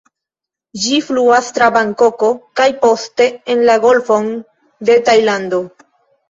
Ĝi fluas tra Bankoko kaj poste en la Golfon de Tajlando.